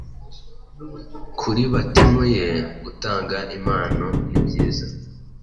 kuri Batiimu ye gutanga impano nibyiza,